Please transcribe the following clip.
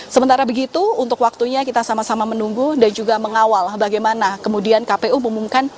sementara begitu untuk waktunya kita sama sama menunggu dan juga mengawal bagaimana kemudian kpu mengumumkan